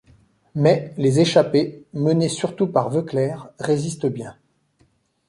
Mais, les échappés, menés surtout par Voeckler, résistent bien.